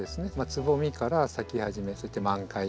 つぼみから咲き始めそして満開